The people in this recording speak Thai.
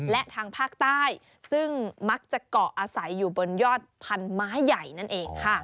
และทางภาคใต้ซึ่งมักจะเกาะอาศัยอยู่บนยอดพันไม้ใหญ่นั่นเองค่ะ